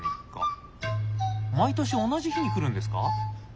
毎年同じ日に来るんですか？